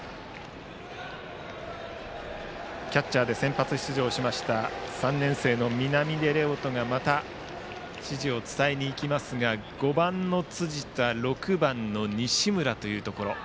キャッチャーで先発出場しました３年生の南出玲丘人がまた指示を伝えに行きますが５番の辻田６番の西村というところ。